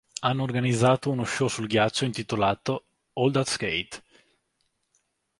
Hanno organizzato uno show sul ghiaccio intitolato "All That Skate".